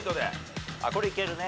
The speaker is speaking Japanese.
これいけるね。